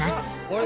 あれ？